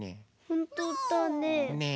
ほんとだね。